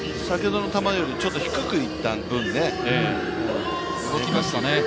先ほどの球よりちょっと低くいった分ね。